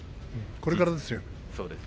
これからですよ